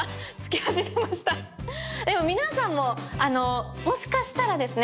でも皆さんももしかしたらですね